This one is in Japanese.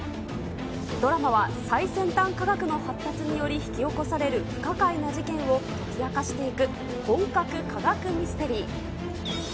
ドラマは最先端科学の発達により引き起こされる不可解な事件を解き明かしていく本格科学ミステリー。